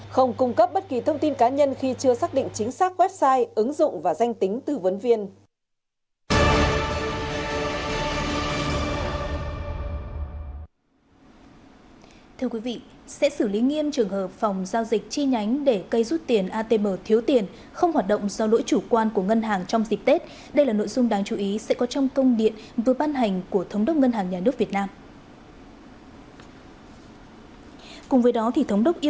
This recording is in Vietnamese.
không cung cấp bất kỳ thông tin cá nhân khi chưa xác định chính xác website ứng dụng và danh tính tư vấn viên